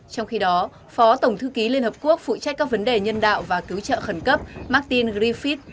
trong khi đó phó tổng thư ký liên hợp quốc phụ trách các vấn đề nhân đạo và cứu trợ khẩn cấp martin griffith